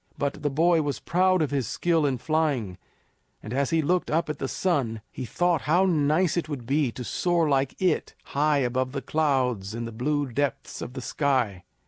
But the boy was proud of his skill in flying, and as he looked up at the sun he thought how nice it would be to soar like it high above the clouds in the blue depths of the sky.